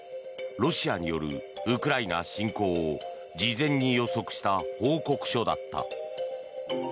ロシアによるウクライナ侵攻を事前に予測した報告書だった。